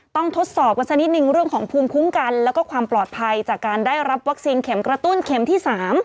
ทดสอบกันสักนิดนึงเรื่องของภูมิคุ้มกันแล้วก็ความปลอดภัยจากการได้รับวัคซีนเข็มกระตุ้นเข็มที่๓